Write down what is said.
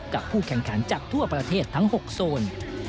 ผู้แข่งขันจากทั่วประเทศทั้ง๖โซน